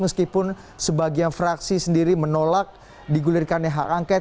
sebagian fraksi sendiri menolak digulirkan hak angket